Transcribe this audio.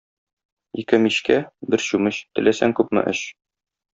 Ике мичкә, бер чүмеч, теләсәң күпме эч.